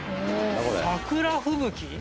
桜吹雪。